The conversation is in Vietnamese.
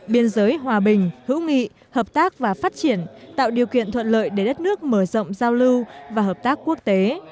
biên giới hòa bình hữu nghị hợp tác và phát triển tạo điều kiện thuận lợi để đất nước mở rộng giao lưu và hợp tác quốc tế